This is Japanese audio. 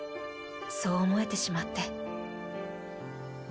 そう思えてしまって。